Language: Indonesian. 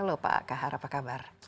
loh pak kahara apa kabar